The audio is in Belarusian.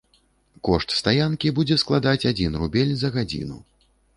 Кошт стаянкі будзе складаць адзін рубель за гадзіну.